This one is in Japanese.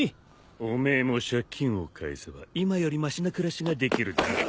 おめえも借金を返せば今よりマシな暮らしができるだろうよ。